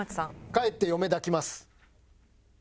「帰って嫁抱きます」。